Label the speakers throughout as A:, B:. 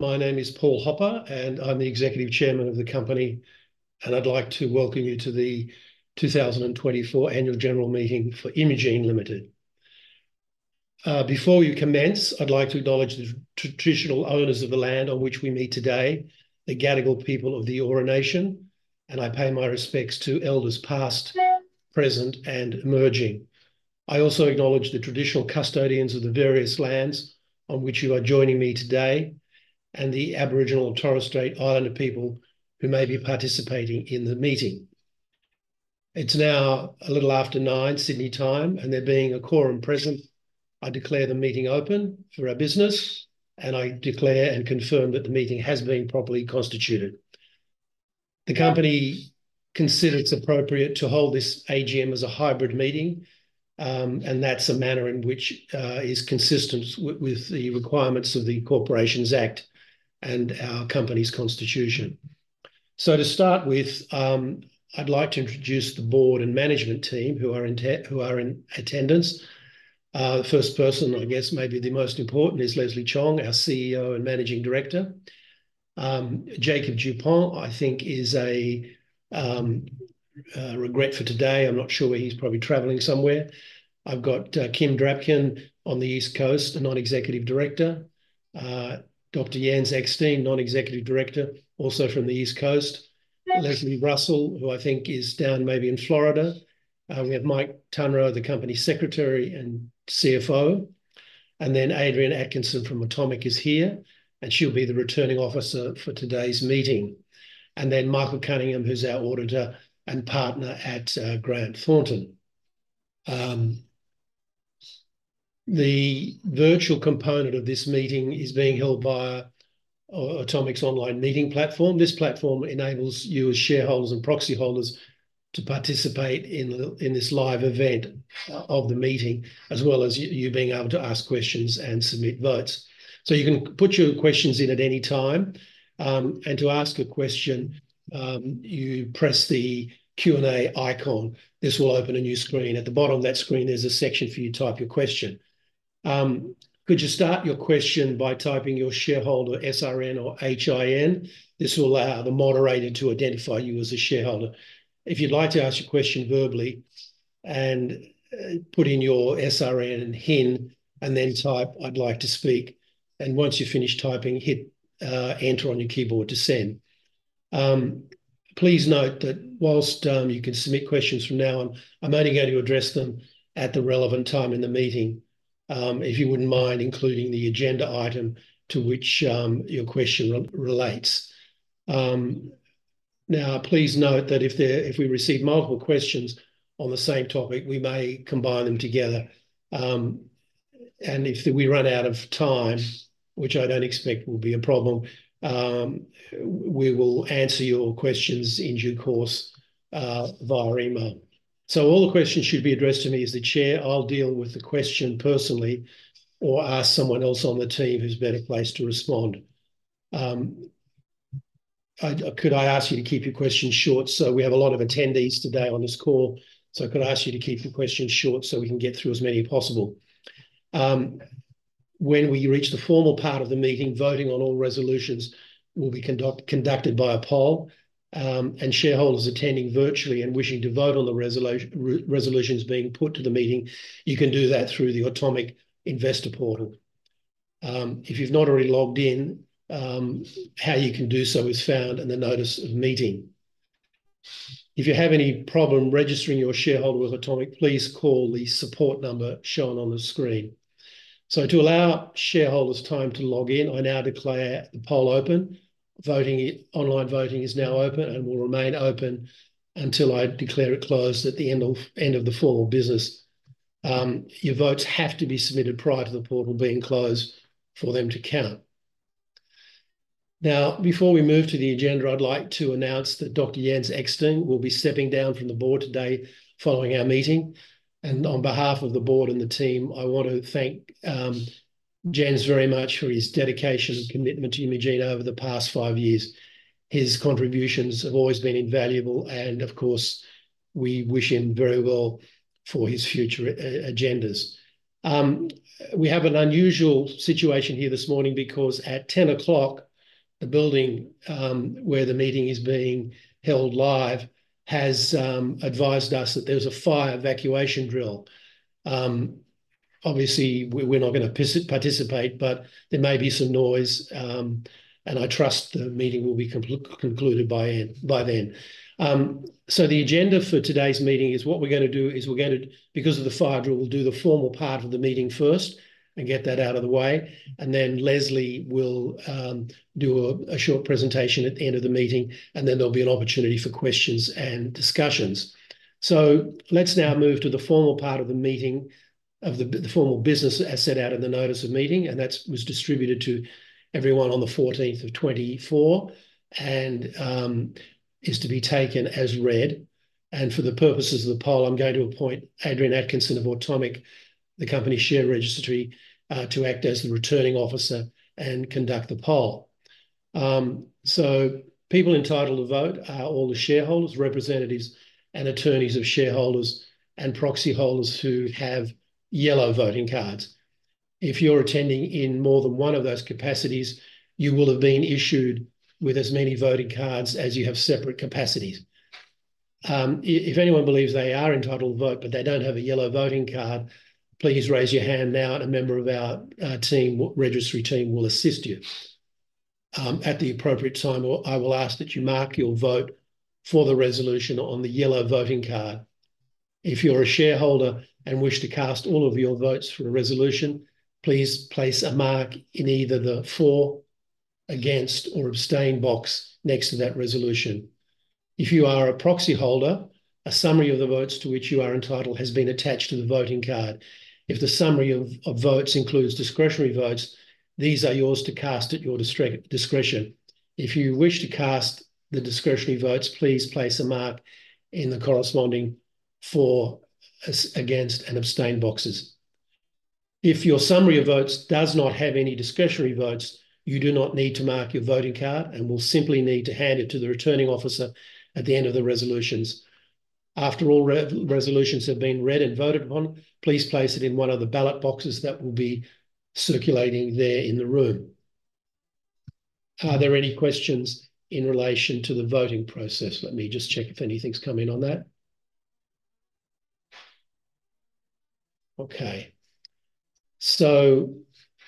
A: My name is Paul Hopper, and I'm the Executive Chairman of the company, and I'd like to welcome you to the 2024 Annual General Meeting for Imugene Limited. Before we commence, I'd like to acknowledge the traditional owners of the land on which we meet today, the Gadigal people of the Eora Nation, and I pay my respects to Elders past, present, and emerging. I also acknowledge the traditional custodians of the various lands on which you are joining me today, and the Aboriginal and Torres Strait Islander people who may be participating in the meeting. It's now a little after 9:00 A.M. Sydney time, and there being a quorum present, I declare the meeting open for our business, and I declare and confirm that the meeting has been properly constituted. The company considers it appropriate to hold this AGM as a hybrid meeting, and that's a manner in which is consistent with the requirements of the Corporations Act and our company's constitution. So to start with, I'd like to introduce the board and management team who are in attendance. The first person, I guess maybe the most important, is Leslie Chong, our CEO and Managing Director. Jacob Dupont, I think, is a regret for today. I'm not sure where he is. Probably traveling somewhere. I've got Kim Drapkin on the East Coast, a non-executive director. Dr. Jens Eckstein, non-executive director, also from the East Coast. Leslie Russell, who I think is down maybe in Florida. We have Mike Tonroe, the company secretary and CFO. And then Adrian Atkinson from Automic is here, and she'll be the returning officer for today's meeting. And then Michael Cunningham, who's our auditor and partner at Grant Thornton. The virtual component of this meeting is being held via Automic's online meeting platform. This platform enables you, as shareholders and proxy holders, to participate in this live event of the meeting, as well as you being able to ask questions and submit votes. So you can put your questions in at any time. And to ask a question, you press the Q&A icon. This will open a new screen. At the bottom of that screen, there's a section for you to type your question. Could you start your question by typing your shareholder SRN or HIN? This will allow the moderator to identify you as a shareholder. If you'd like to ask your question verbally, put in your SRN and HIN, and then type, "I'd like to speak." And once you finish typing, hit Enter on your keyboard to send. Please note that while you can submit questions from now on, I'm only going to address them at the relevant time in the meeting, if you wouldn't mind including the agenda item to which your question relates. Now, please note that if we receive multiple questions on the same topic, we may combine them together. And if we run out of time, which I don't expect will be a problem, we will answer your questions in due course via email. So all the questions should be addressed to me as the chair. I'll deal with the question personally or ask someone else on the team who's better placed to respond. Could I ask you to keep your questions short? So we have a lot of attendees today on this call, so could I ask you to keep your questions short so we can get through as many as possible? When we reach the formal part of the meeting, voting on all resolutions will be conducted by a poll. And shareholders attending virtually and wishing to vote on the resolutions being put to the meeting, you can do that through the Automic Investor portal. If you've not already logged in, how you can do so is found in the notice of meeting. If you have any problem registering your shareholder with Automic, please call the support number shown on the screen. So to allow shareholders time to log in, I now declare the poll open. Online voting is now open and will remain open until I declare it closed at the end of the formal business. Your votes have to be submitted prior to the portal being closed for them to count. Now, before we move to the agenda, I'd like to announce that Dr. Jens Eckstein will be stepping down from the board today following our meeting. And on behalf of the board and the team, I want to thank Jens very much for his dedication and commitment to Imugene over the past five years. His contributions have always been invaluable, and of course, we wish him very well for his future agendas. We have an unusual situation here this morning because at 10:00 A.M., the building where the meeting is being held live has advised us that there's a fire evacuation drill. Obviously, we're not going to participate, but there may be some noise, and I trust the meeting will be concluded by then. So the agenda for today's meeting is what we're going to do is we're going to, because of the fire drill, we'll do the formal part of the meeting first and get that out of the way. And then Leslie will do a short presentation at the end of the meeting, and then there'll be an opportunity for questions and discussions. So let's now move to the formal part of the meeting, of the formal business as set out in the notice of meeting, and that was distributed to everyone on the 14th of October 2024 and is to be taken as read. And for the purposes of the poll, I'm going to appoint Adrian Atkinson of Automic, the company share registry, to act as the returning officer and conduct the poll. So people entitled to vote are all the shareholders, representatives, and attorneys of shareholders and proxy holders who have yellow voting cards. If you're attending in more than one of those capacities, you will have been issued with as many voting cards as you have separate capacities. If anyone believes they are entitled to vote but they don't have a yellow voting card, please raise your hand now, and a member of our registry team will assist you. At the appropriate time, I will ask that you mark your vote for the resolution on the yellow voting card. If you're a shareholder and wish to cast all of your votes for a resolution, please place a mark in either the for, against, or abstain box next to that resolution. If you are a proxy holder, a summary of the votes to which you are entitled has been attached to the voting card. If the summary of votes includes discretionary votes, these are yours to cast at your discretion. If you wish to cast the discretionary votes, please place a mark in the corresponding for, against, and abstain boxes. If your summary of votes does not have any discretionary votes, you do not need to mark your voting card and will simply need to hand it to the returning officer at the end of the resolutions. After all resolutions have been read and voted upon, please place it in one of the ballot boxes that will be circulating there in the room. Are there any questions in relation to the voting process? Let me just check if anything's come in on that. Okay. So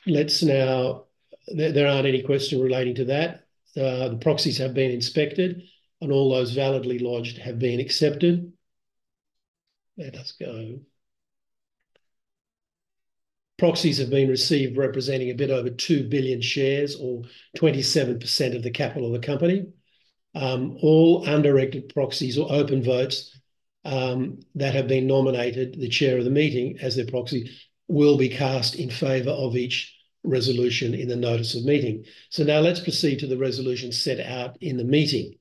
A: let's now, there aren't any questions relating to that. The proxies have been inspected, and all those validly lodged have been accepted. Let us go. Proxies have been received representing a bit over two billion shares or 27% of the capital of the company. All undirected proxies or open votes that have been nominated the chair of the meeting as their proxy will be cast in favor of each resolution in the notice of meeting. So now let's proceed to the resolutions set out in the meeting.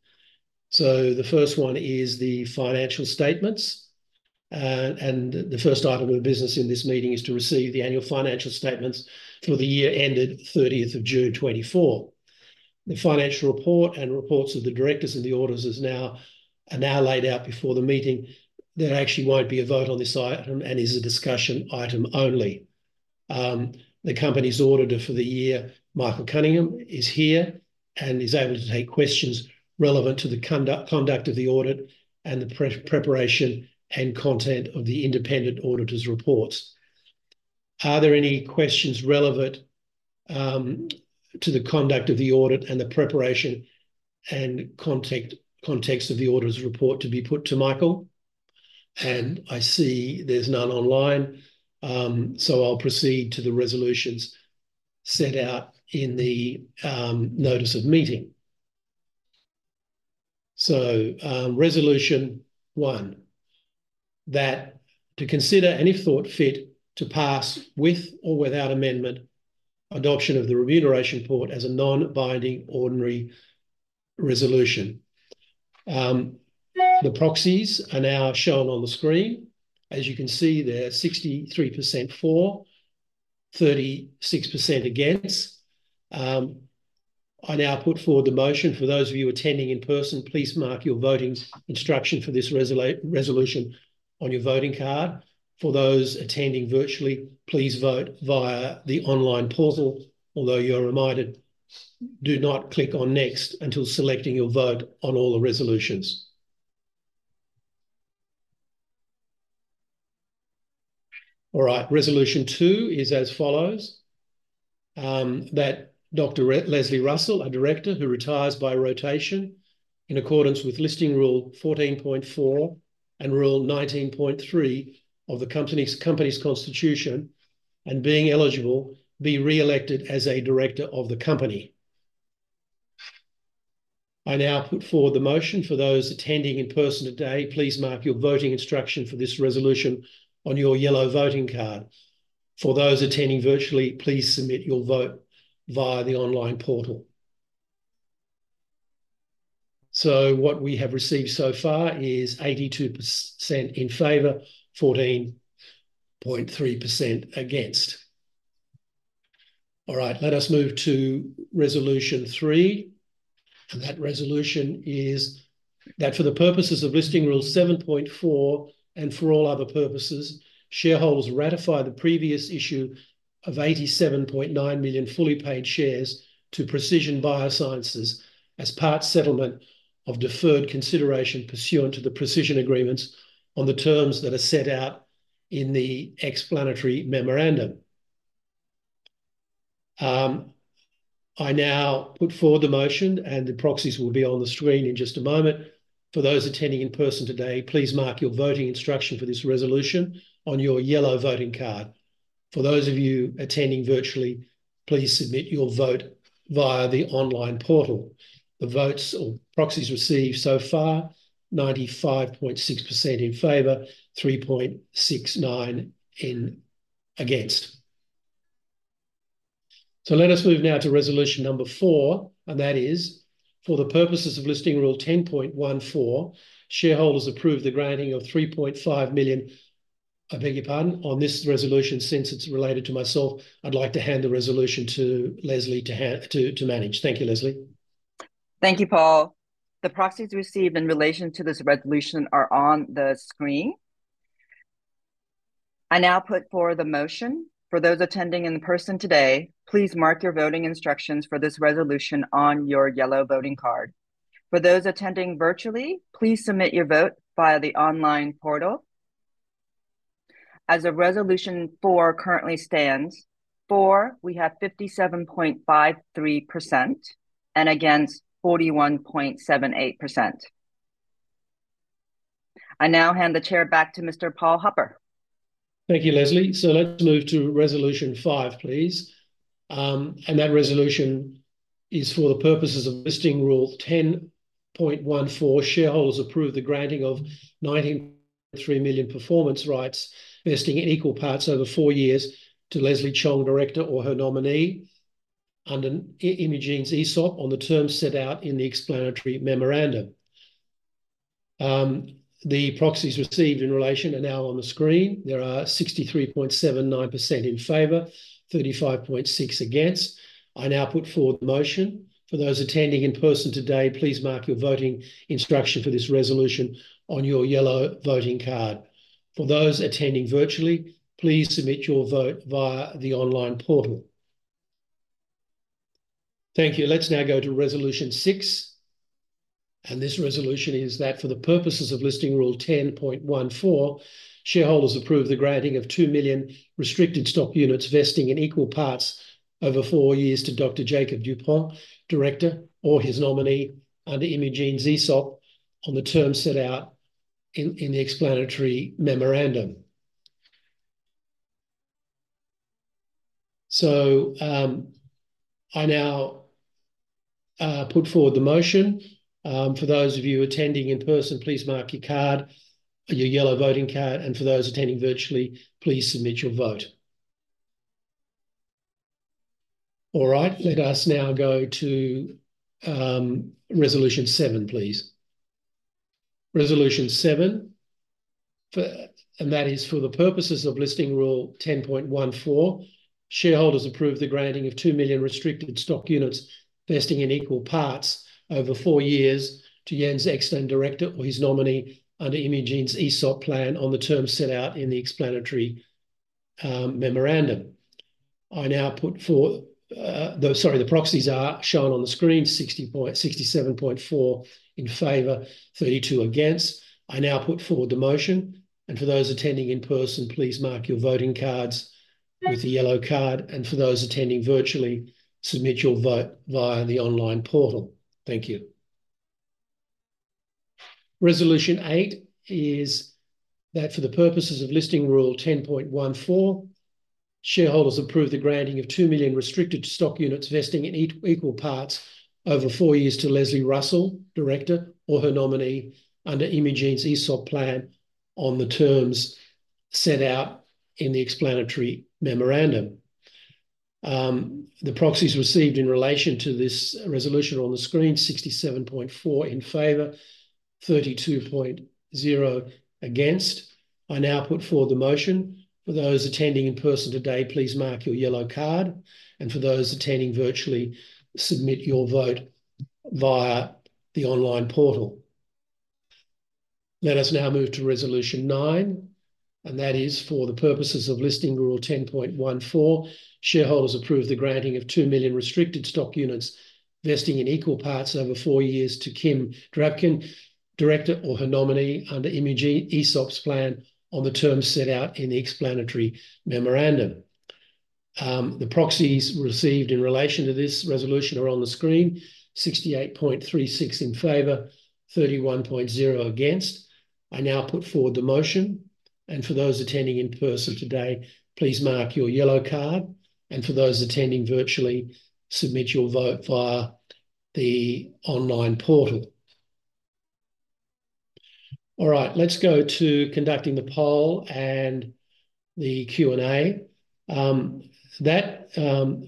A: So the first one is the financial statements. And the first item of business in this meeting is to receive the annual financial statements for the year ended 30th of June 2024. The financial report and reports of the directors and the auditors are now laid out before the meeting. There actually won't be a vote on this item and is a discussion item only. The company's auditor for the year, Michael Cunningham, is here and is able to take questions relevant to the conduct of the audit and the preparation and content of the independent auditor's reports. Are there any questions relevant to the conduct of the audit and the preparation and content of the auditor's report to be put to Michael? And I see there's none online, so I'll proceed to the resolutions set out in the notice of meeting. So, resolution one, that to consider and, if thought fit, to pass with or without amendment, adoption of the remuneration report as a non-binding ordinary resolution. The proxies are now shown on the screen. As you can see, they're 63% for, 36% against. I now put forward the motion for those of you attending in person. Please mark your voting instruction for this resolution on your voting card. For those attending virtually, please vote via the online portal, although you're reminded, do not click on next until selecting your vote on all the resolutions. All right, resolution two is as follows. That Dr. Leslie Russell, a director who retires by rotation in accordance with Listing Rule 14.4 and Rule 19.3 of the company's constitution, and being eligible, be re-elected as a director of the company. I now put forward the motion for those attending in person today. Please mark your voting instruction for this resolution on your yellow voting card. For those attending virtually, please submit your vote via the online portal, so what we have received so far is 82% in favor, 14.3% against. All right, let us move to resolution three, and that resolution is that for the purposes of Listing Rule 7.4 and for all other purposes, shareholders ratify the previous issue of 87.9 million fully paid shares to Precision BioSciences as part settlement of deferred consideration pursuant to the Precision agreements on the terms that are set out in the explanatory memorandum. I now put forward the motion, and the proxies will be on the screen in just a moment. For those attending in person today, please mark your voting instruction for this resolution on your yellow voting card. For those of you attending virtually, please submit your vote via the online portal. The votes or proxies received so far, 95.6% in favor, 3.69% against. So let us move now to resolution number four, and that is for the purposes of Listing Rules 10.14, shareholders approved the granting of 3.5 million. I beg your pardon, on this resolution, since it's related to myself, I'd like to hand the resolution to Leslie to manage. Thank you, Leslie.
B: Thank you, Paul. The proxies received in relation to this resolution are on the screen. I now put forward the motion for those attending in person today, please mark your voting instructions for this resolution on your yellow voting card. For those attending virtually, please submit your vote via the online portal. As a resolution four currently stands, four, we have 57.53% and against 41.78%. I now hand the chair back to Mr. Paul Hopper.
A: Thank you, Leslie. So let's move to resolution five, please. And that resolution is for the purposes of Listing Rule 10.14, shareholders approved the granting of 19.3 million performance rights, vesting in equal parts over four years to Leslie Chong, director or her nominee, under Imugene's ESOP on the terms set out in the explanatory memorandum. The proxies received in relation are now on the screen. There are 63.79% in favor, 35.6% against. I now put forward the motion for those attending in person today. Please mark your voting instruction for this resolution on your yellow voting card. For those attending virtually, please submit your vote via the online portal. Thank you. Let's now go to resolution six. This resolution is that for the purposes of Listing Rule 10.14, shareholders approve the granting of two million restricted stock units vesting in equal parts over four years to Dr. Jacob Dupont, Director, or his nominee, under Imugene's ESOP on the terms set out in the explanatory memorandum. So I now put forward the motion. For those of you attending in person, please mark your card, your yellow voting card, and for those attending virtually, please submit your vote. All right, let us now go to resolution seven, please. Resolution seven, and that is for the purposes of Listing Rule 10.14, shareholders approve the granting of two million restricted stock units vesting in equal parts over four years to Jens Eckstein, Director, or his nominee under Imugene's ESOP plan on the terms set out in the explanatory memorandum. I now put forward, sorry, the proxies are shown on the screen, 67.4% in favour, 32% against. I now put forward the motion. For those attending in person, please mark your voting cards with the yellow card. For those attending virtually, submit your vote via the online portal. Thank you. Resolution eight is that for the purposes of Listing Rule 10.14, shareholders approved the granting of two million restricted stock units vesting in equal parts over four years to Leslie Russell, director or her nominee under Imugene's ESOP plan on the terms set out in the explanatory memorandum. The proxies received in relation to this resolution on the screen, 67.4% in favour, 32.0% against. I now put forward the motion. For those attending in person today, please mark your yellow card. For those attending virtually, submit your vote via the online portal. Let us now move to resolution nine, and that is for the purposes of Listing Rule 10.14, shareholders approved the granting of 2 million restricted stock units vesting in equal parts over four years to Kim Drapkin, Director or her nominee under Imugene's ESOP plan on the terms set out in the explanatory memorandum. The proxies received in relation to this resolution are on the screen, 68.36% in favor, 31.0% against. I now put forward the motion. And for those attending in person today, please mark your yellow card. And for those attending virtually, submit your vote via the online portal. All right, let's go to conducting the poll and the Q&A. That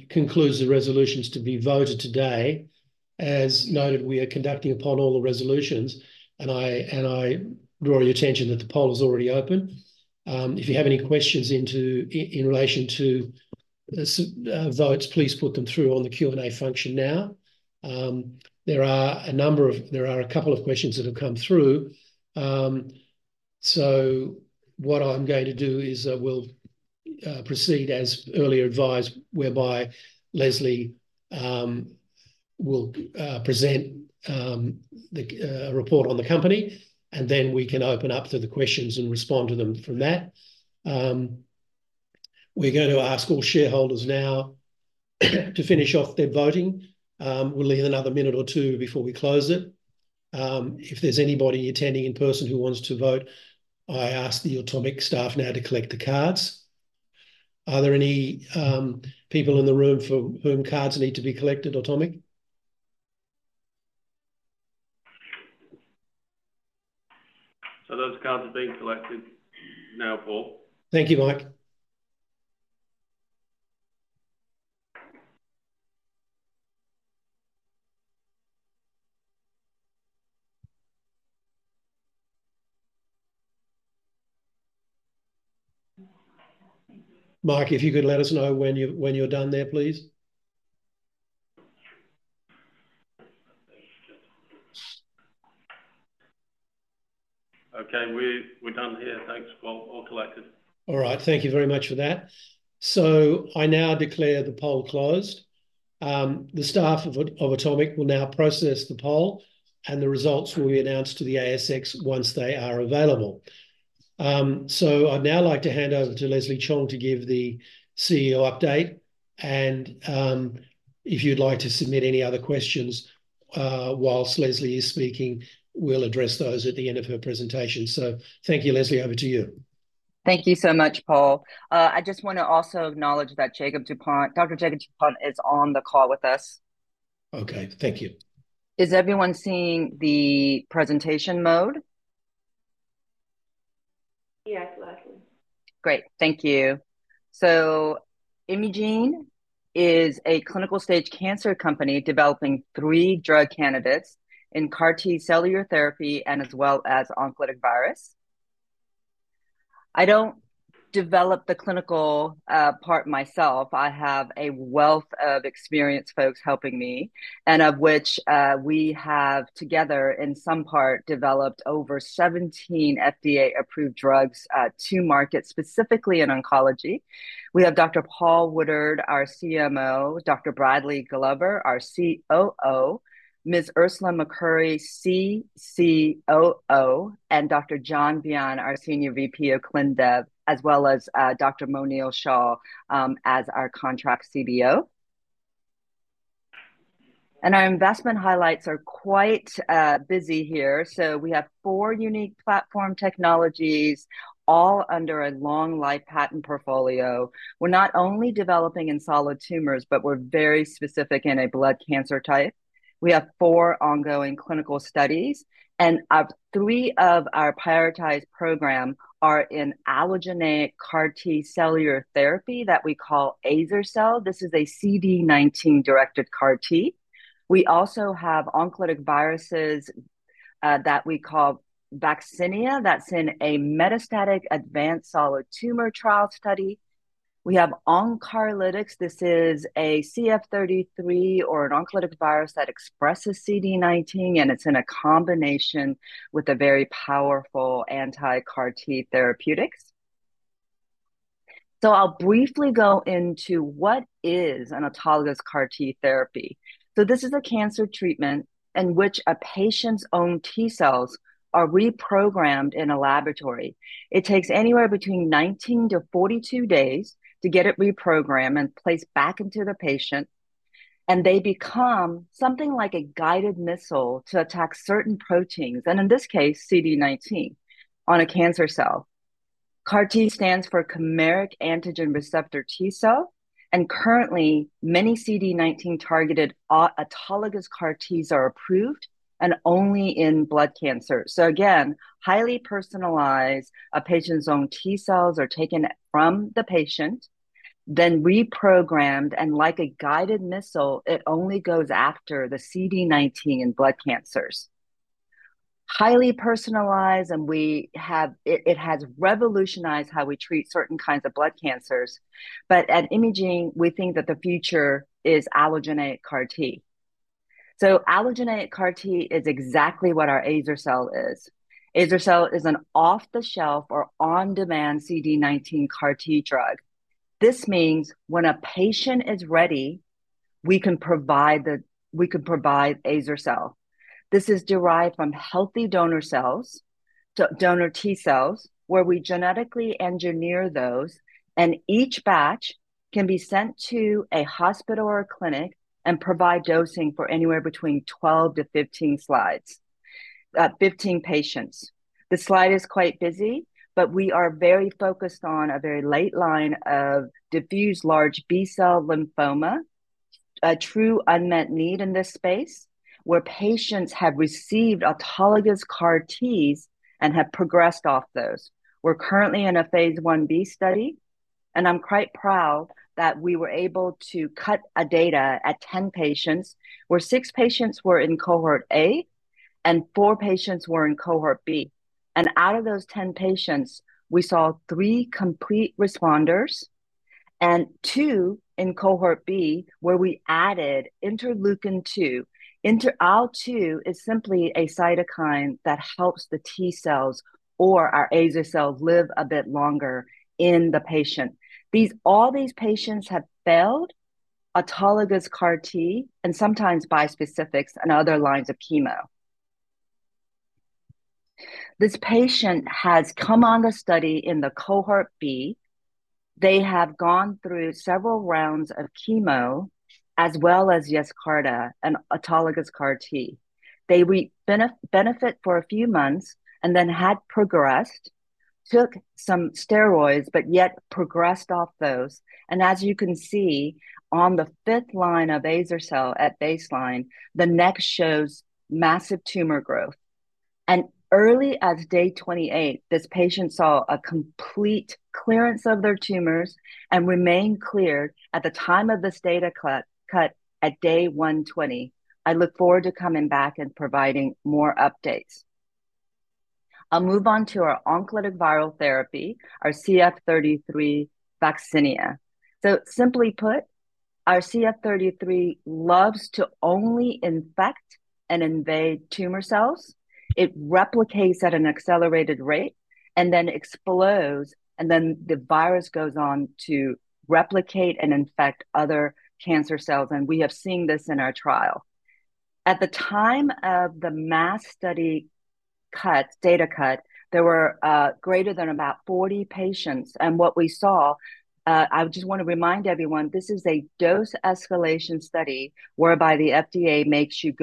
A: concludes the resolutions to be voted today. As noted, we are conducting upon all the resolutions, and I draw your attention that the poll is already open. If you have any questions in relation to votes, please put them through on the Q&A function now. There are a number of, there are a couple of questions that have come through. So what I'm going to do is I will proceed as earlier advised, whereby Leslie will present a report on the company, and then we can open up to the questions and respond to them from that. We're going to ask all shareholders now to finish off their voting. We'll leave another minute or two before we close it. If there's anybody attending in person who wants to vote, I ask the Automic staff now to collect the cards. Are there any people in the room for whom cards need to be collected, Automic?
C: So those cards are being collected now, Paul.
A: Thank you, Mike. Mike, if you could let us know when you're done there, please.
C: Okay, we're done here. Thanks. All collected.
A: All right, thank you very much for that. So I now declare the poll closed. The staff of Automic will now process the poll, and the results will be announced to the ASX once they are available. I'd now like to hand over to Leslie Chong to give the CEO update. And if you'd like to submit any other questions whilst Leslie is speaking, we'll address those at the end of her presentation. So thank you, Leslie. Over to you.
B: Thank you so much, Paul. I just want to also acknowledge that Dr. Jacob Dupont is on the call with us.
A: Okay, thank you.
B: Is everyone seeing the presentation mode?
D: Yes, Leslie.
B: Great. Thank you. Imugene is a clinical stage cancer company developing three drug candidates in CAR T cellular therapy and as well as oncolytic virus. I don't develop the clinical part myself. I have a wealth of experienced folks helping me, and of which we have together in some part developed over 17 FDA-approved drugs to market specifically in oncology. We have Dr. Paul Woodard, our CMO, Dr. Bradley Glover, our COO, Ms. Ursula McCurry, CCOO, and Dr. John Byon, our Senior VP of Clinical Development, as well as Dr. Monil Shah as our contract CBO. And our investment highlights are quite busy here. So we have four unique platform technologies, all under a long life patent portfolio. We're not only developing in solid tumors, but we're very specific in a blood cancer type. We have four ongoing clinical studies, and three of our prioritized programs are in allogeneic CAR T cellular therapy that we call azer-cel. This is a CD19-directed CAR T. We also have oncolytic viruses that we call VAXINIA. That's in a metastatic advanced solid tumor trial study. We have onCARlytics. This is a CF33 or an oncolytic virus that expresses CD19, and it's in a combination with a very powerful anti-CD19 CAR T therapeutics. So I'll briefly go into what is an autologous CAR T therapy. So this is a cancer treatment in which a patient's own T cells are reprogrammed in a laboratory. It takes anywhere between 19 to 42 days to get it reprogrammed and placed back into the patient, and they become something like a guided missile to attack certain proteins, and in this case, CD19, on a cancer cell. CAR T stands for Chimeric Antigen Receptor T Cell, and currently, many CD19-targeted autologous CAR Ts are approved and only in blood cancers. So again, highly personalized, a patient's own T cells are taken from the patient, then reprogrammed, and like a guided missile, it only goes after the CD19 in blood cancers. Highly personalized, and it has revolutionized how we treat certain kinds of blood cancers. But at Imugene, we think that the future is allogeneic CAR T. So allogeneic CAR T is exactly what our Azer-cel is. Azer-cel is an off-the-shelf or on-demand CD19 CAR T drug. This means when a patient is ready, we can provide Azer-cel. This is derived from healthy donor T cells, where we genetically engineer those, and each batch can be sent to a hospital or a clinic and provide dosing for anywhere between 12 to 15 patients. The slide is quite busy, but we are very focused on a very late line of diffuse large B-cell lymphoma, a true unmet need in this space, where patients have received autologous CAR Ts and have progressed off those. We're currently in a phase 1B study, and I'm quite proud that we were able to cut data at 10 patients, where six patients were in cohort A and four patients were in cohort B. And out of those 10 patients, we saw three complete responders and two in cohort B, where we added interleukin-2. IL-2 is simply a cytokine that helps the T cells or our Azer-cel live a bit longer in the patient. All these patients have failed autologous CAR T and sometimes bispecifics and other lines of chemo. This patient has come on the study in the cohort B. They have gone through several rounds of chemo as well as Yescarta and autologous CAR T. They benefited for a few months and then had progressed, took some steroids, but yet progressed off those. And as you can see, on the fifth line of Azer-cel at baseline, the next shows massive tumor growth. And as early as day 28, this patient saw a complete clearance of their tumors and remained cleared at the time of this data cut at day 120. I look forward to coming back and providing more updates. I'll move on to our oncolytic viral therapy, our CF33 VAXINIA. So simply put, our CF33 loves to only infect and invade tumor cells. It replicates at an accelerated rate and then explodes, and then the virus goes on to replicate and infect other cancer cells, and we have seen this in our trial. At the time of the last study data cut, there were greater than about 40 patients. And what we saw, I just want to remind everyone, this is a dose escalation study whereby the FDA makes you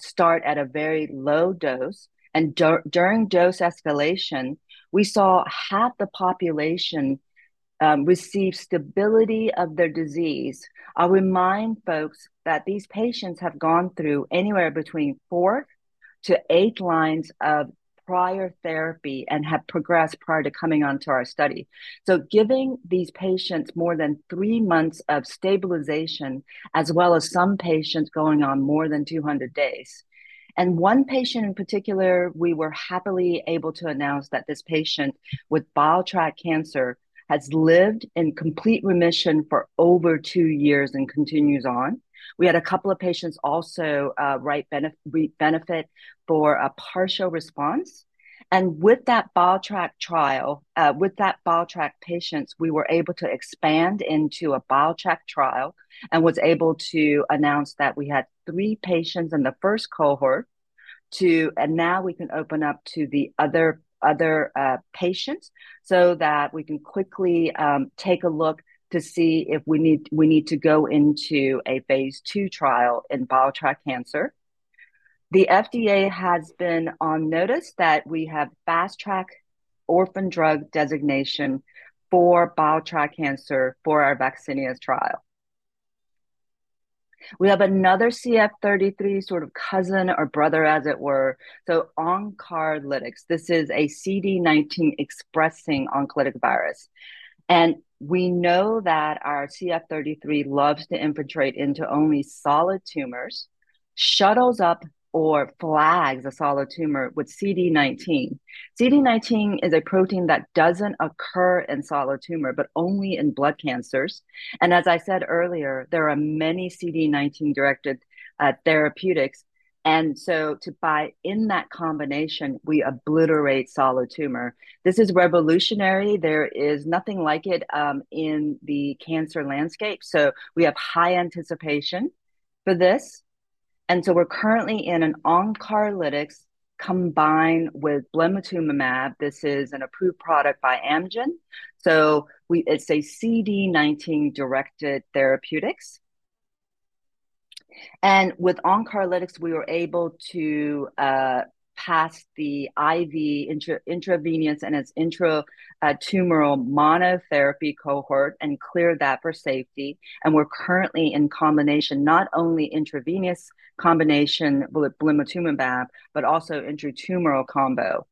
B: start at a very low dose. And during dose escalation, we saw half the population receive stability of their disease. I remind folks that these patients have gone through anywhere between four to eight lines of prior therapy and have progressed prior to coming onto our study. So giving these patients more than three months of stabilization, as well as some patients going on more than 200 days. And one patient in particular, we were happily able to announce that this patient with biliary tract cancer has lived in complete remission for over two years and continues on. We had a couple of patients also reap benefit for a partial response. With that biliary tract trial, with those biliary tract patients, we were able to expand into a biliary tract trial and were able to announce that we had three patients in the first cohort, and now we can open up to the other patients so that we can quickly take a look to see if we need to go into a phase two trial in biliary tract cancer. The FDA has been on notice that we have fast-track orphan drug designation for biliary tract cancer for our VAXINIA trial. We have another CF33 sort of cousin or brother, as it were. So onCARlytics, this is a CD19 expressing oncolytic virus. We know that our CF33 loves to infiltrate into only solid tumors, shuttles up, or flags a solid tumor with CD19. CD19 is a protein that doesn't occur in solid tumor, but only in blood cancers. As I said earlier, there are many CD19-directed therapeutics. So to be in that combination, we obliterate solid tumor. This is revolutionary. There is nothing like it in the cancer landscape. So we have high anticipation for this. We're currently in an onCARlytics combined with blinatumomab. This is an approved product by Amgen. So it's a CD19-directed therapeutics. With onCARlytics, we were able to pass the IV intravenous and its intra-tumoral monotherapy cohort and clear that for safety. We're currently in combination, not only intravenous combination with blinatumomab, but also intra-tumoral combo.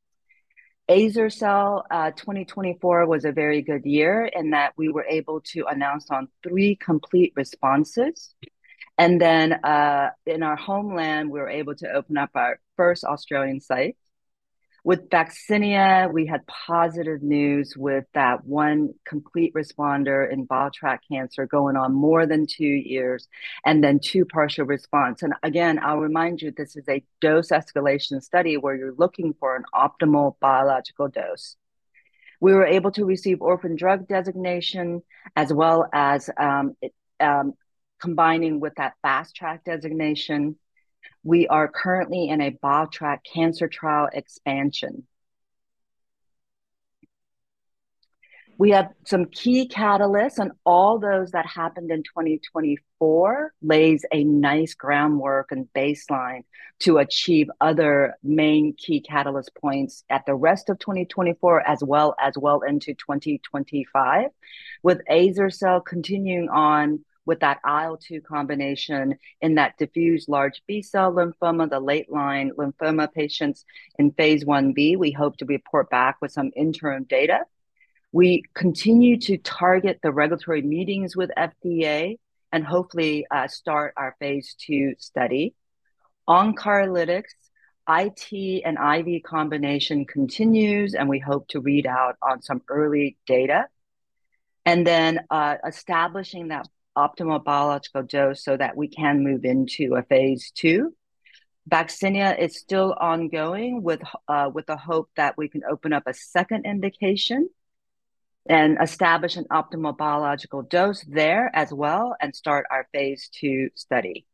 B: Azer-cel 2024 was a very good year in that we were able to announce three complete responses. Then in our homeland, we were able to open up our first Australian site. With VAXINIA, we had positive news with that one complete responder in biliary tract cancer going on more than two years, and then two partial response. And again, I'll remind you, this is a dose escalation study where you're looking for an optimal biological dose. We were able to receive orphan drug designation as well as combining with that fast-track designation. We are currently in a biliary tract cancer trial expansion. We have some key catalysts, and all those that happened in 2024 lays a nice groundwork and baseline to achieve other main key catalyst points at the rest of 2024 as well as well into 2025. With Azer-cel continuing on with that IL-2 combination in that diffuse large B-cell lymphoma, the late line lymphoma patients in phase 1B, we hope to report back with some interim data. We continue to target the regulatory meetings with FDA and hopefully start our phase two study. OnCARlytics, IT and IV combination continues, and we hope to read out on some early data, and then establishing that optimal biological dose so that we can move into a phase two. IVAXNIA is still ongoing with the hope that we can open up a second indication and establish an optimal biological dose there as well and start our phase two study.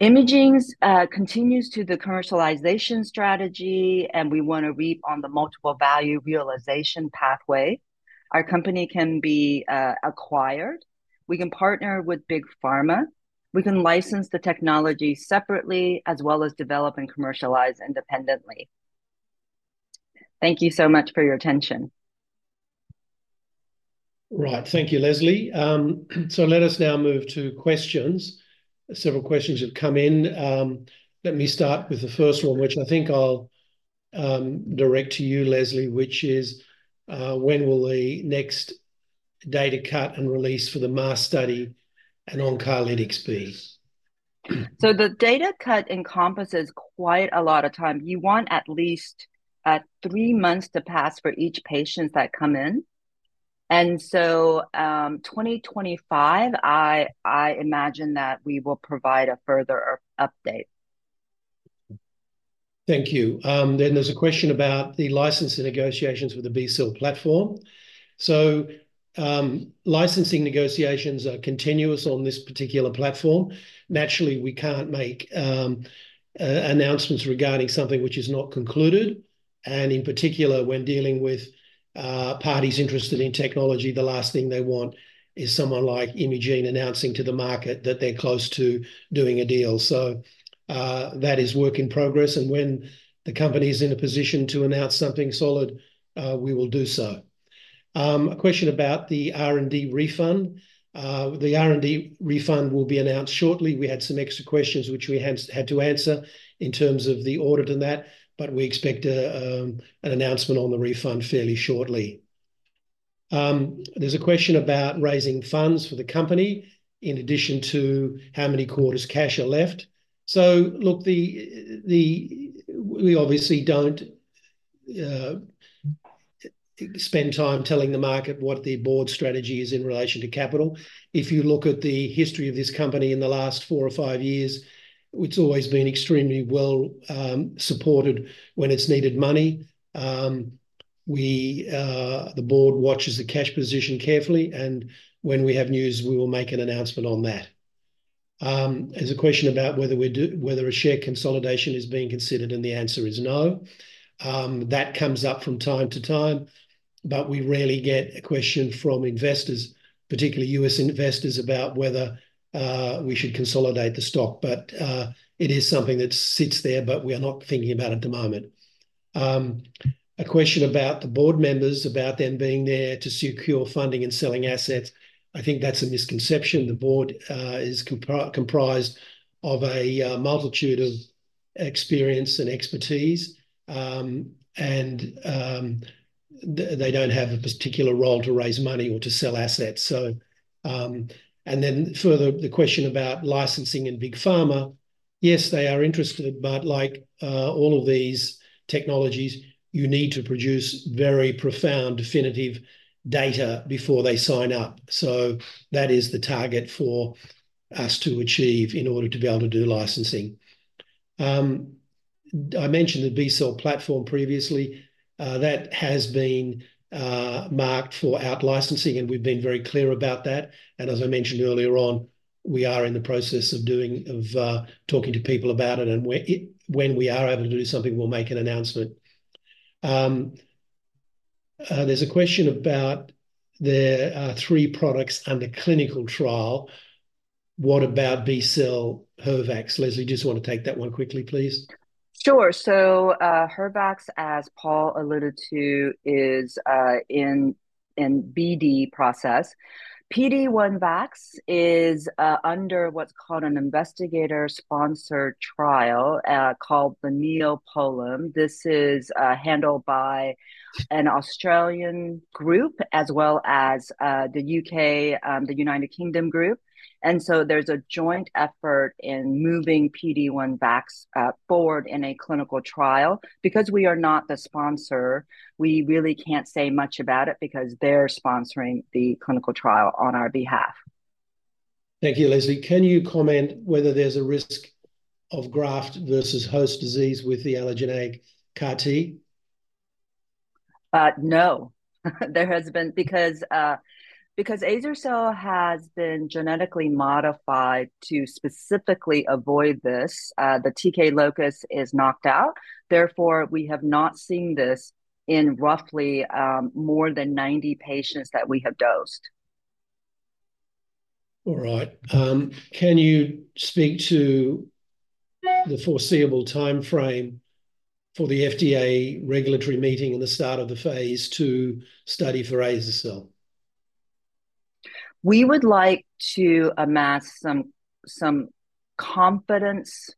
B: Imugene continues to the commercialization strategy, and we want to reap on the multiple value realization pathway. Our company can be acquired. We can partner with Big Pharma. We can license the technology separately as well as develop and commercialize independently. Thank you so much for your attention.
A: Right. Thank you, Leslie. So let us now move to questions. Several questions have come in. Let me start with the first one, which I think I'll direct to you, Leslie, which is, when will the next data cut and release for the MAST study and oncolytics be?
B: So the data cut encompasses quite a lot of time. You want at least three months to pass for each patient that come in. And so 2025, I imagine that we will provide a further update.
A: Thank you. Then there's a question about the licensing negotiations with the B-cell platform. So licensing negotiations are continuous on this particular platform. Naturally, we can't make announcements regarding something which is not concluded. And in particular, when dealing with parties interested in technology, the last thing they want is someone like Imugene announcing to the market that they're close to doing a deal. So that is work in progress. When the company is in a position to announce something solid, we will do so. A question about the R&D refund. The R&D refund will be announced shortly. We had some extra questions which we had to answer in terms of the audit and that, but we expect an announcement on the refund fairly shortly. There's a question about raising funds for the company in addition to how many quarters cash are left. Look, we obviously don't spend time telling the market what the board strategy is in relation to capital. If you look at the history of this company in the last four or five years, it's always been extremely well supported when it's needed money. The board watches the cash position carefully, and when we have news, we will make an announcement on that. There's a question about whether a share consolidation is being considered, and the answer is no. That comes up from time to time, but we rarely get a question from investors, particularly U.S. investors, about whether we should consolidate the stock. But it is something that sits there, but we are not thinking about it at the moment. A question about the board members about them being there to secure funding and selling assets. I think that's a misconception. The board is comprised of a multitude of experience and expertise, and they don't have a particular role to raise money or to sell assets. And then further, the question about licensing and Big Pharma. Yes, they are interested, but like all of these technologies, you need to produce very profound, definitive data before they sign up. That is the target for us to achieve in order to be able to do licensing. I mentioned the B-cell platform previously. That has been marked for out-licensing, and we've been very clear about that. And as I mentioned earlier on, we are in the process of talking to people about it, and when we are able to do something, we'll make an announcement. There's a question about. There are three products under clinical trial. What about B-cell HER-Vaxx? Leslie, just want to take that one quickly, please.
B: Sure. So HER-Vaxx, as Paul alluded to, is in BD process. PD1-Vaxx is under what's called an investigator-sponsored trial called the NeoPOLEM. This is handled by an Australian group as well as the U.K., the United Kingdom group. And so there's a joint effort in moving PD1-Vaxx forward in a clinical trial. Because we are not the sponsor, we really can't say much about it because they're sponsoring the clinical trial on our behalf.
A: Thank you, Leslie. Can you comment whether there's a risk of graft-versus-host disease with the allogeneic CAR T?
B: No. There has been because azer-cel has been genetically modified to specifically avoid this. The TK locus is knocked out. Therefore, we have not seen this in roughly more than 90 patients that we have dosed.
A: Right. Can you speak to the foreseeable timeframe for the FDA regulatory meeting in the start of the phase two study for azer-cel?
B: We would like to amass some confidence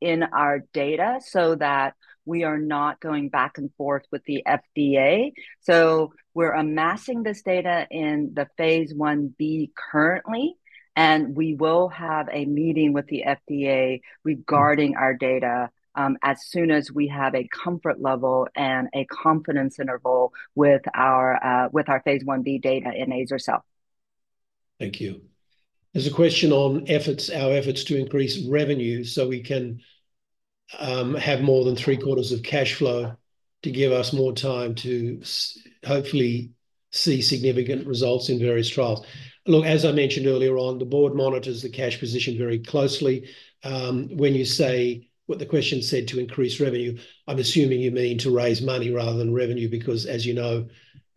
B: in our data so that we are not going back and forth with the FDA. So we're amassing this data in the phase 1B currently, and we will have a meeting with the FDA regarding our data as soon as we have a comfort level and a confidence interval with our phase 1B data in azer-cel.
A: Thank you. There's a question on our efforts to increase revenue so we can have more than three quarters of cash flow to give us more time to hopefully see significant results in various trials. Look, as I mentioned earlier on, the board monitors the cash position very closely. When you say what the question said to increase revenue, I'm assuming you mean to raise money rather than revenue because, as you know,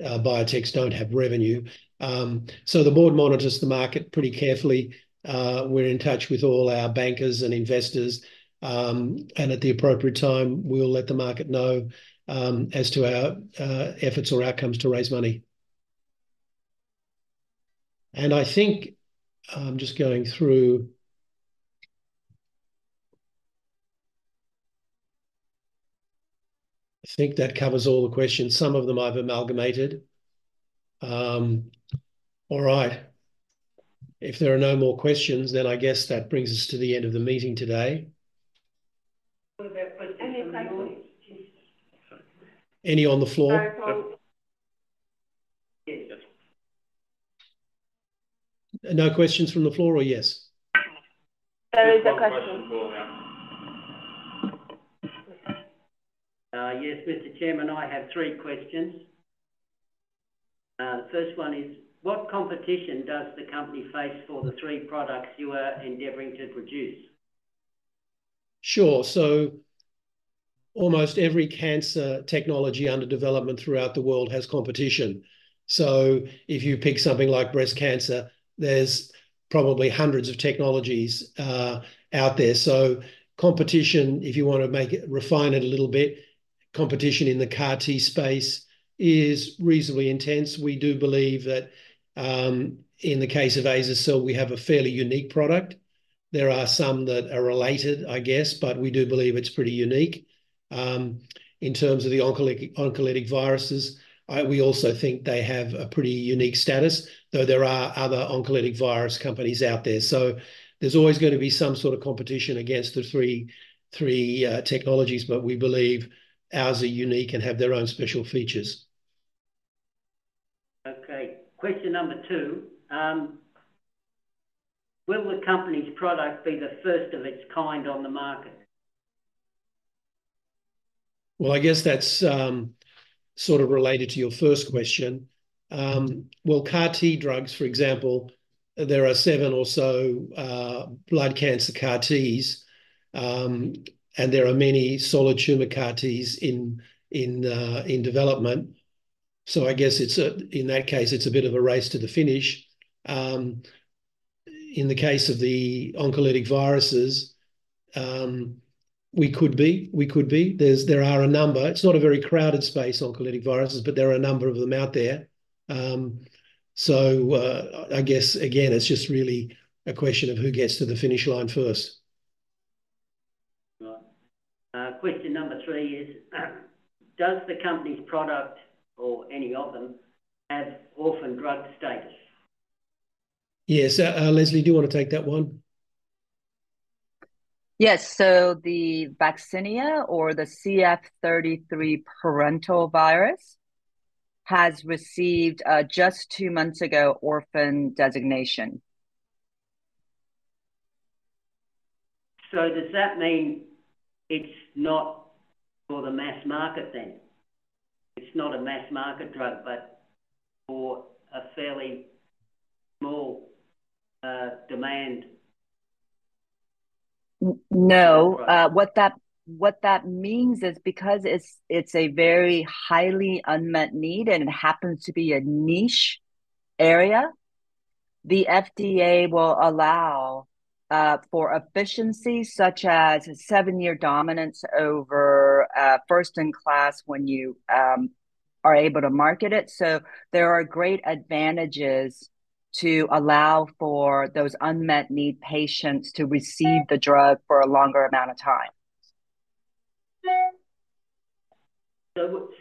A: biotechs don't have revenue. So the board monitors the market pretty carefully. We're in touch with all our bankers and investors. And at the appropriate time, we'll let the market know as to our efforts or outcomes to raise money. And I think I'm just going through. I think that covers all the questions. Some of them I've amalgamated. All right. If there are no more questions, then I guess that brings us to the end of the meeting today. Any on the floor? No questions from the floor or yes?
D: So there's a question.
E: Yes, Mr. Chairman, I have three questions. The first one is, what competition does the company face for the three products you are endeavoring to produce?
A: Sure. So almost every cancer technology under development throughout the world has competition. So if you pick something like breast cancer, there's probably hundreds of technologies out there. So competition, if you want to refine it a little bit, competition in the CAR T space is reasonably intense. We do believe that in the case of azer-cel, we have a fairly unique product. There are some that are related, I guess, but we do believe it's pretty unique. In terms of the oncolytic viruses, we also think they have a pretty unique status, though there are other oncolytic virus companies out there. So there's always going to be some sort of competition against the three technologies, but we believe ours are unique and have their own special features.
E: Okay. Question number two. Will the company's product be the first of its kind on the market?
A: Well, I guess that's sort of related to your first question. Well, CAR T drugs, for example, there are seven or so blood cancer CAR Ts, and there are many solid tumor CAR Ts in development. So I guess in that case, it's a bit of a race to the finish. In the case of the oncolytic viruses, we could be. It's not a very crowded space, oncolytic viruses, but there are a number of them out there. So I guess, again, it's just really a question of who gets to the finish line first.
E: Question number three is, does the company's product or any of them have orphan drug status?
A: Yes. Leslie, do you want to take that one?
B: Yes. So the IVAXNIA or the CF33 parental virus has received just two months ago orphan designation.
E: So does that mean it's not for the mass market then? It's not a mass market drug, but for a fairly small demand.
B: No. What that means is because it's a very highly unmet need and it happens to be a niche area, the FDA will allow for efficiencies such as seven-year dominance over first-in-class when you are able to market it. So there are great advantages to allow for those unmet need patients to receive the drug for a longer amount of time.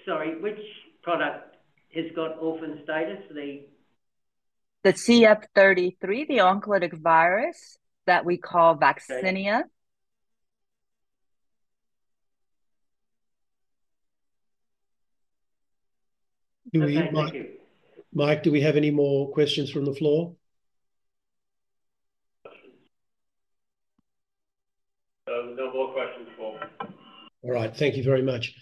E: Sorry. Which product has got orphan status?
B: The CF33, the oncolytic virus that we call VAXINIA. Thank you.
A: Mike, do we have any more questions from the floor? No more questions for. All right. Thank you very much.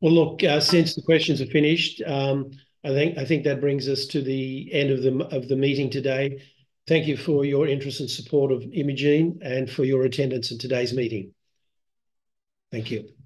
A: Well, look, since the questions are finished, I think that brings us to the end of the meeting today. Thank you for your interest and suport of Imugene and for your attendance in today's meeting. Thank you.